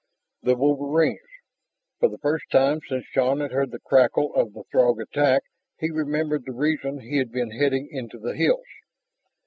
The wolverines! For the first time since Shann had heard the crackle of the Throg attack he remembered the reason he had been heading into the hills.